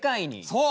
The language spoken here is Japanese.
そう！